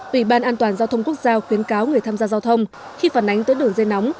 ủy ban an toàn giao thông quốc gia khuyến cáo người tham gia giao thông khi phản ánh tới đường dây nóng